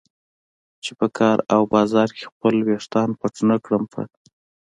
چې په کار او بازار کې خپل ویښتان پټ نه کړم. په